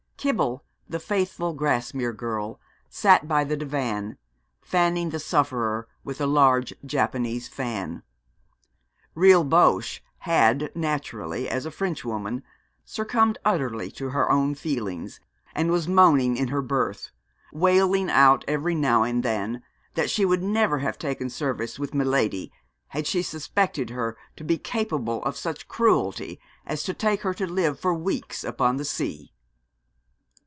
Kibble, the faithful Grasmere girl, sat by the divan, fanning the sufferer with a large Japanese fan. Rilboche had naturally, as a Frenchwoman, succumbed utterly to her own feelings, and was moaning in her berth, wailing out every now and then that she would never have taken service with Miladi had she suspected her to be capable of such cruelty as to take her to live for weeks upon the sea.